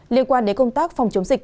liên quan đến công tác phòng chống dịch